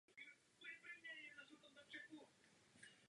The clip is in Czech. Při vstupu do věže se nachází obchod.